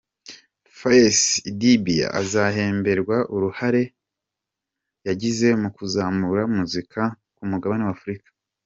Face Idibia, azahemberwa uruhare yagize mu kuzamura muzika ku mugabane w’Africa.